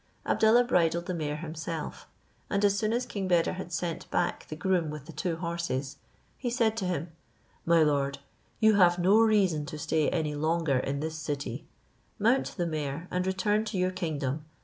Abdallah bridled the mare himself, and as soon as King Beder had sent back the groom with the two horses, he said to him, "My lord, you have no reason to stay any longer in this city: mount the mare, and return to your kingdom.